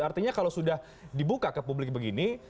artinya kalau sudah dibuka ke publik begini